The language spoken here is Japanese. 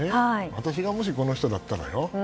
私がもしこの人だったらよ。